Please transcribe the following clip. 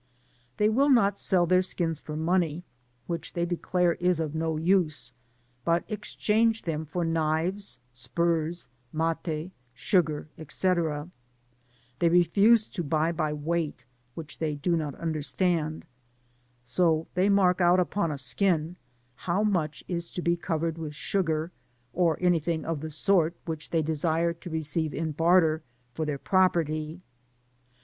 US They will not sell their skini for money, which they declare is of no Use, but exchange them for knives, spurs, mat^, sugar, &c* They refuse to buy by weight, which they do not understand ; so they mark out Upon a skin how much is to be covered with sugar, or anything of the sort which they, desire to tecdve in barter for their property.